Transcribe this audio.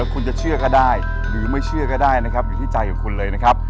คุณจะเชื่อก็ได้หรือไม่เชื่อก็ได้นะครับอยู่ที่ใจของคุณเลยนะครับ